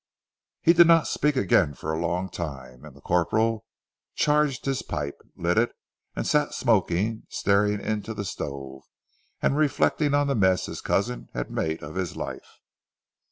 He did not speak again for a long time, and the corporal charged his pipe, lit it, and sat smoking, staring into the stove, and reflecting on the mess his cousin had made of his life.